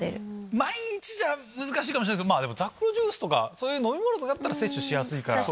毎日じゃ難しいかもしれないですけどザクロジュースとかそういう飲み物だったら摂取しやすいから。